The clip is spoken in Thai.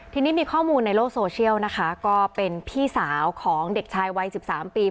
ทีนี้มีข้อมูลในโลกโซเชียลนะคะก็เป็นพี่สาวของเด็กชายวัย๑๓ปี